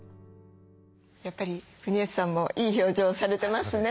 やっぱり国吉さんもいい表情されてますね。